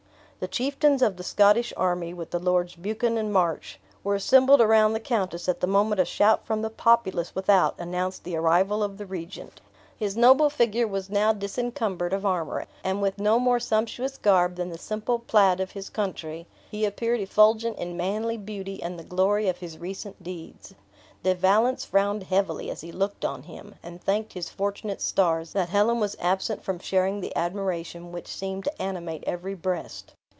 The chieftains of the Scottish army, with the Lords Buchan and March, were assembled around the countess at the moment a shout from the populace without announced the arrival of the regent. His noble figure was now disencumbered of armor; and with no more sumptuous garb than the simple plaid of his country, he appeared effulgent in manly beauty and the glory of his recent deeds. De Valence frowned heavily as he looked on him, and thanked his fortunate stars that Helen was absent from sharing the admiration which seemed to animate every breast.